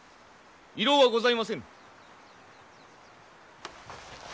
遺漏はございませぬ。